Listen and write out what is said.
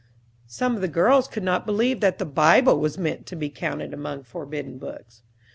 Some of the girls could not believe that the Bible was meant to be counted among forbidden books.